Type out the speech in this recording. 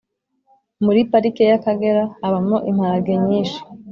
Muri parike ya kagera habamo imparage nyishi